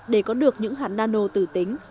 để có được những hạt nano tử tính